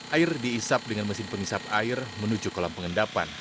air diisap dengan mesin pengisap air menuju kolam pengendapan